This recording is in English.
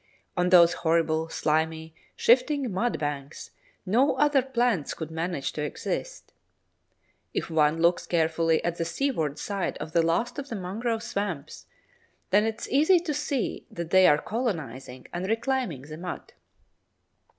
On those horrible, slimy, shifting mudbanks no other plants could manage to exist. If one looks carefully at the seaward side of the last of the mangrove swamps, then it is easy to see that they are colonizing and reclaiming the mud.